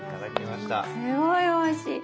すごいおいしい。